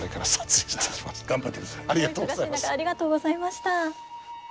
お忙しい中ありがとうございました。